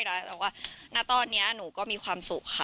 แต่ว่าณตอนนี้หนูก็มีความสุขค่ะ